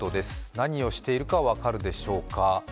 何をしているか分かるでしょうか？